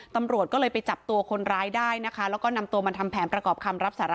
ตำรวจก็เลยไปจับตัวคนร้ายได้นะคะแล้วก็นำตัวมาทำแผนประกอบคำรับสารภาพ